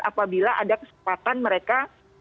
apabila ada kesempatan mereka